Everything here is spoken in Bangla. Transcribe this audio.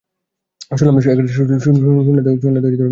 শুনলে তো, বিবাহিত লোক!